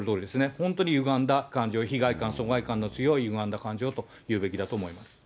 本当にゆがんだ感情、被害観、疎外感の強いゆがんだ感情と言うべきだと思います。